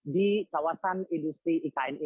di kawasan indonesia